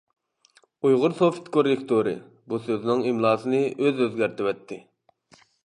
«ئۇيغۇرسوفت كوررېكتورى» بۇ سۆزنىڭ ئىملاسىنى ئۆزى ئۆزگەرتىۋەتتى.